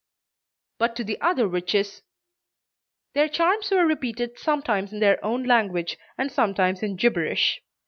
But to the other witches. Their charms were repeated sometimes in their own language and sometimes in gibberish.